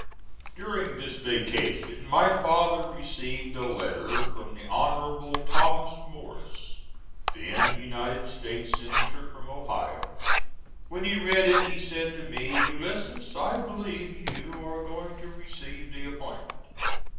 During this vacation my father received a letter from the Honorable Thomas Morris, then United States Senator from Ohio. When he read it he said to me, "Ulysses, I believe you are going to receive the appointment."